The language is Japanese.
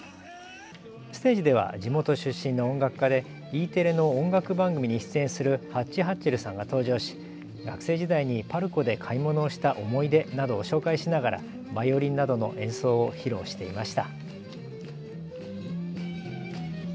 ステージでは地元出身の音楽家でＥテレの音楽番組に出演するハッチハッチェルさんが登場し学生時代にパルコで買い物をした思い出などを紹介しながらバイオリンなどの演奏を披露していました。